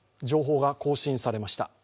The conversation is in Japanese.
情報が更新されました。